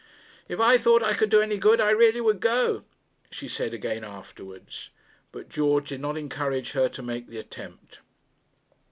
'If I thought I could do any good, I really would go,' she said again afterwards. But George did not encourage her to make the attempt.